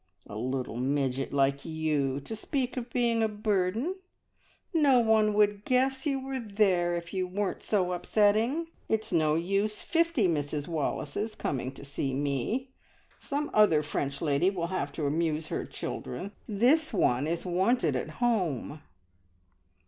"A little midget like you to speak of being a burden! No one would guess you were there if you weren't so upsetting! It's no use fifty Mrs Wallaces coming to see me. Some other French lady will have to amuse her children. This one is wanted at home!"